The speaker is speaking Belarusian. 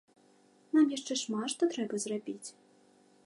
Нам яшчэ шмат што трэба зрабіць.